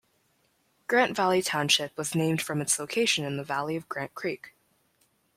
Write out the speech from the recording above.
Grant Valley Township was named from its location in the valley of Grant Creek.